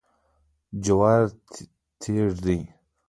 جوار ژیړ دي.